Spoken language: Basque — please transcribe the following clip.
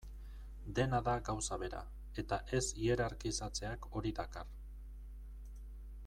Dena da gauza bera, eta ez hierarkizatzeak hori dakar.